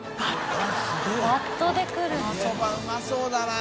このそばうまそうだな。